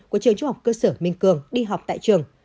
của trường trung học cơ sở minh cường đi học tại trường